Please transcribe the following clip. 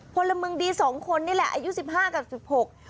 พลเมืองดีสองคนนี่แหละอายุสิบห้ากับสิบหก